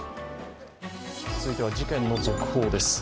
続いては事件の続報です。